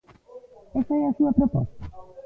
¿Esa é a súa proposta?